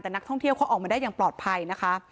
แต่นักท่องเที่ยวเขาออกมาได้อย่างปลอดภัยนะคะ